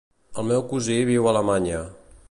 El meu cosí viu a Alemanya.